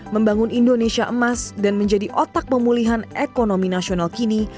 membangun indonesia emas dan menjadi otak pemulihan ekonomi nasional kini